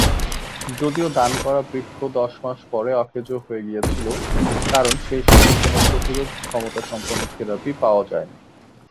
যদিও দান করা বৃক্ক দশ মাস পরে অকেজো হয়ে গিয়েছিল কারণ সেই সময়ে কোনও প্রতিরোধ ক্ষমতা সম্পন্ন থেরাপি পাওয়া যায়নি।